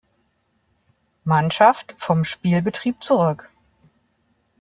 Mannschaft vom Spielbetrieb zurück.